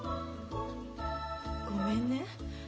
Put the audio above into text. ごめんね。